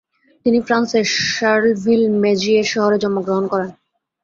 তিনি ফ্রান্সের শার্লভিল-মেজিয়ের শহরে জন্মগ্রহণ করেন।